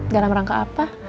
dalam rangka apa